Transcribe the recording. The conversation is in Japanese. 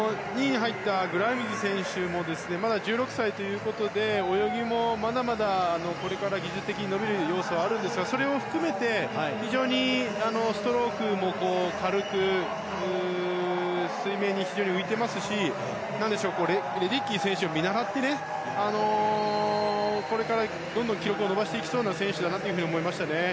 ２位に入ったグライムズ選手もまだ１６歳ということで泳ぎもまだまだこれから技術的に伸びる要素はあるんですがそれを含めて非常にストロークも軽く水面に非常に浮いていますしレデッキー選手を見習ってこれからどんどん記録を伸ばしていきそうな選手だなと思いましたね。